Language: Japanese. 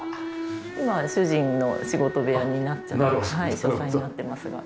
今は主人の仕事部屋になっちゃって書斎になってますが。